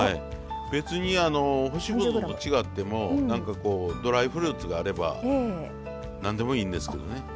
別に干しぶどうと違っても何かこうドライフルーツがあれば何でもいいんですけどね。